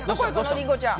りんごちゃん。